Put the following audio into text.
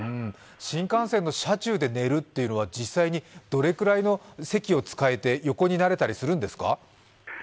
新幹線の車中で寝るというのは実際にどのくらいの席を使えて横になれたりするんですか？